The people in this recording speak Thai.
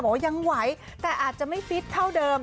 ว่ายังไหวแต่อาจจะไม่ฟิตเท่าเดิม